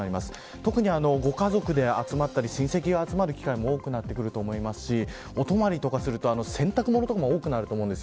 特に、ご家族で集まったり親戚が集まる機会も多くなってくると思いますしお泊まりとかすると洗濯物も多くなると思うんです。